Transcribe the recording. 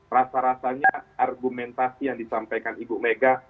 rasa rasanya argumentasi yang disampaikan ibu mega